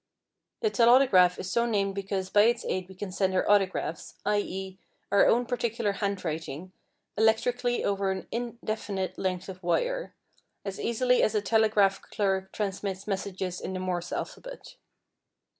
The Telautograph is so named because by its aid we can send our autographs, i.e. our own particular handwriting, electrically over an indefinite length of wire, as easily as a telegraph clerk transmits messages in the Morse alphabet.